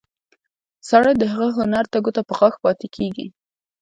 سړی د هغه هنر ته ګوته په غاښ پاتې کېږي.